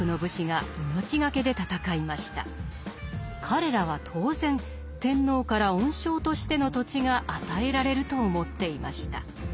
彼らは当然天皇から恩賞としての土地が与えられると思っていました。